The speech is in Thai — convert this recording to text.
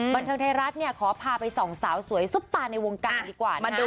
บันเทิงไทยรัฐเนี่ยขอพาไปส่องสาวสวยซุปตาในวงการดีกว่านะคะ